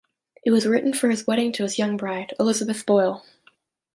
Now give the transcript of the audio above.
It was written for his wedding to his young bride, Elizabeth Boyle.